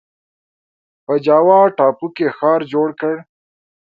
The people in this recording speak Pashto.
په جاوا ټاپو کې ښار جوړ کړ.